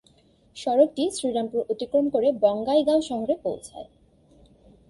সড়কটি শ্রীরামপুর অতিক্রম করে বঙাইগাঁও শহরে পৌছায়।